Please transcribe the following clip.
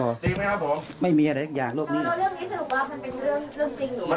จริงไหมครับผมไม่มีอะไรอีกอย่างโลกนี้เรื่องนี้สนุกว่า